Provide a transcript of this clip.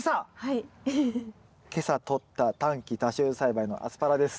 今朝とった短期多収栽培のアスパラです。